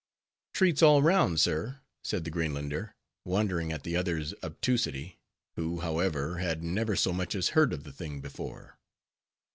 "Treats all round, sir," said the Greenlander, wondering at the other's obtusity, who, however, had never so much as heard of the thing before.